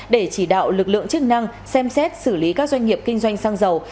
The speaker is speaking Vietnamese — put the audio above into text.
để chỉ đạo lực lượng chức năng xem xét xử lý các doanh nghiệp kinh doanh xăng dầu